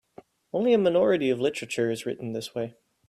Only a minority of literature is written this way.